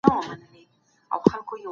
د زکات فریضه د غریبو حق خوندي کوي.